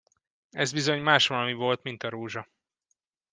Ez bizony másvalami volt, mint a rózsa!